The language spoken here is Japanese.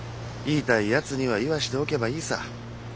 言いたいやつには言わしておけばいいさ。